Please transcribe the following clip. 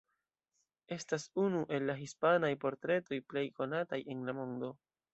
Estas unu el la hispanaj portretoj plej konataj en la mondo.